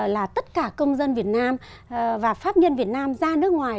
là tất cả công dân việt nam và pháp nhân việt nam ra nước ngoài